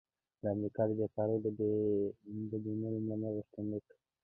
د امریکا د بیکارۍ د بیمې لومړني غوښتنلیکونه